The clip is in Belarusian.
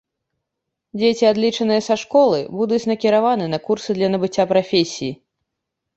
Дзеці, адлічаныя са школы, будуць накіраваны на курсы для набыцця прафесіі.